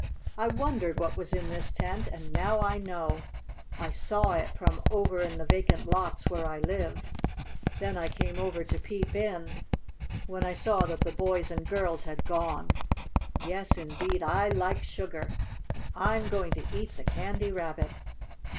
I wondered what was in this tent, and now I know. I saw it from over in the vacant lots where I live. Then I came over to peep in, when I saw that the boys and girls had gone. Yes, indeed! I like sugar, and I'm going to eat the Candy Rabbit!"